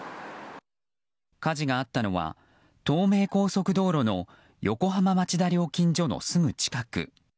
火事があったのは東名高速道路の横浜町田料金所のすぐ近く。